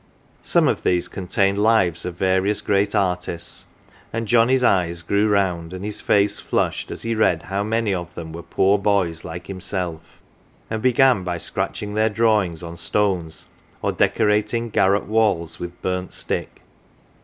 Some of these contained lives of various great artists, and Johnnie's eyes grew round, and his face flushed, as he read how many of them were poor boys like himself, and began by scratching their draw ings on stones, or decorating garret walls with burnt stick.